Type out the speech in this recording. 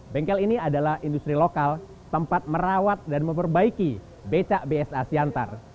bengkel ini adalah industri lokal tempat merawat dan memperbaiki beca bsa siantar